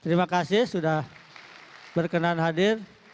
terima kasih sudah berkenan hadir